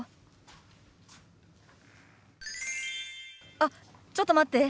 あっちょっと待って。